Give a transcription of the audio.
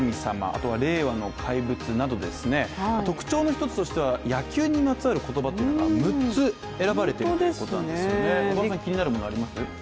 あとは令和の怪物など、特徴の一つとしては野球にまつわる言葉が６つ選ばれているということなんですが、気になるものはありますか。